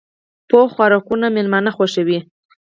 پخو خوراکونو مېلمانه خوښوي